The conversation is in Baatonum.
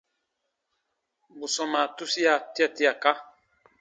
Bù sɔmaa tusia tia tiaka.